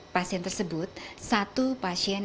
pasien tersebut satu pasien